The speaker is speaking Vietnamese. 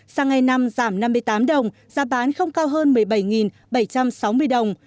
sang ngày năm giảm năm mươi tám đồng giá bán không cao hơn một mươi bảy bảy trăm sáu mươi đồng